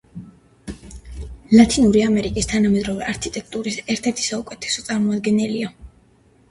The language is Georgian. ლათინური ამერიკის თანამედროვე არქიტექტურის ერთ-ერთი საუკეთესო წარმომადგენელია.